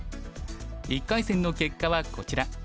１回戦の結果はこちら。